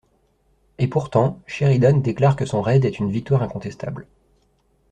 Et pourtant, Sheridan déclare que son raid est une victoire incontestable.